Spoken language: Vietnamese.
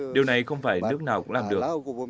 điều này không phải nước nào cũng làm được